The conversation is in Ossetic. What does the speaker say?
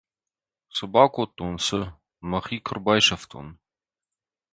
Цы бакодтон, цы?.. Мӕхи куы ӕрбайсӕфтон!